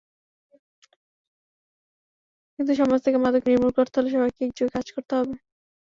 কিন্তু সমাজ থেকে মাদক নির্মূল করতে হলে সবাইকে একযোগে কাজ করতে হবে।